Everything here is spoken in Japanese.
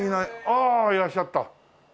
ああいらっしゃった。